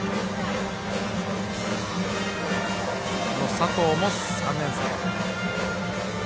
佐藤も３年生。